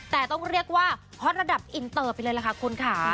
แต่ต้องเรียกว่าฮอตระดับอินเตอร์ไปเลยล่ะค่ะคุณค่ะ